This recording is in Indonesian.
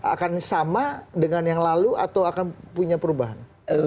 akan sama dengan yang lalu atau akan punya perubahan